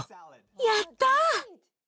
やった！